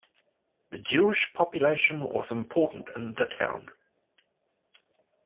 The Jewish population was important in the town.